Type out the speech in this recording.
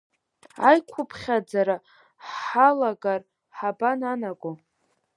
Аиқәыԥхьаӡара ҳалагар ҳабананаго.